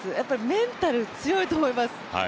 メンタル強いと思います。